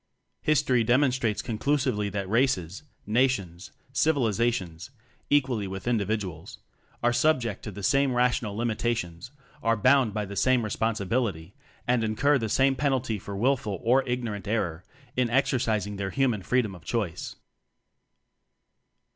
History demonstrates conclusively that races, nations, civilizations (equal ly with individuals), are subject to the same rational limitations, are bound by the same responsibility, and incur the same penalty for wilful or ignorant error in exercising their human free dom of choice.